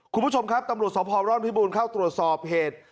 คุณผู้ชมครับตำรวจสพร่อนพิบูรณ์เข้าตรวจสอบเหตุ